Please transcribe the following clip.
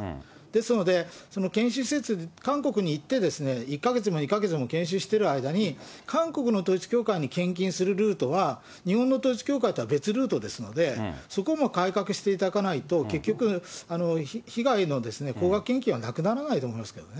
ですから、その研修施設で、韓国に行って、１か月も２か月も研修してる間に、韓国の統一教会に献金するルートは、日本の統一教会とは別ルートですので、そこも改革していただかないと、結局、被害の高額献金はなくならないと思いますけどね。